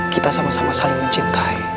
kita sama sama saling mencintai